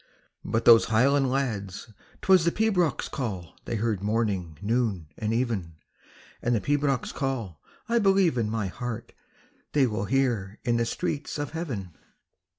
But those highland lads, 'twas the pibroch's call They heard morning, noon, and even, And the pibroch's call, I believe in my heart, They will hear in the streets of heaven.